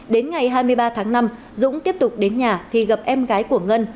đến ngày hai mươi ba tháng năm dũng tiếp tục đến nhà thì gặp em gái của ngân